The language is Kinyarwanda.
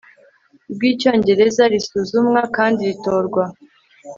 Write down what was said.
rw Icyongereza risuzumwa kandi ritorwa